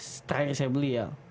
setelah saya beli ya